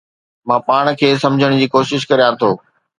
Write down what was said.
مان پاڻ کي سمجهڻ جي ڪوشش ڪريان ٿو